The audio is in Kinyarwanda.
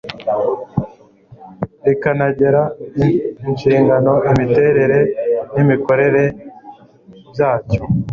rikanagena inshingano imiterere n imikorere byacyo